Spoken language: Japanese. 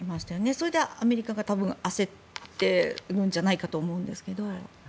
それでアメリカが焦ってるんじゃないかなと思いますけど。